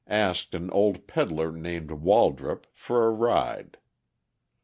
asked an old peddler named Waldrop for a ride.